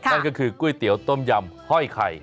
นั่นก็คือก๋วยเตี๋ยวต้มยำห้อยไข่